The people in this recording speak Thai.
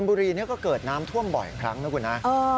บุรีก็เกิดน้ำท่วมบ่อยครั้งนะคุณนะ